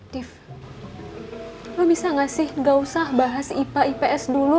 div lo bisa gak sih gak usah bahas ipa ips dulu